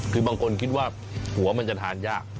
คือบางคนคิดว่าหัวมันจะทานยาก